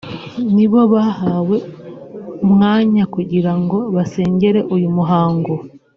nibo bahawe umwanya kugira ngo basengere uyu muhango